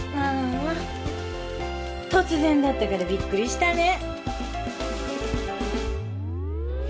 突然だったからびっくりしたね。